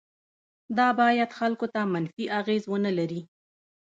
دا باید خلکو ته منفي اغیز ونه لري.